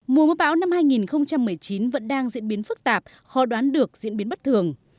mùa mưa bão năm hai nghìn một mươi chín vẫn đang diễn biến phức tạp khó đoán được diễn biến bất thường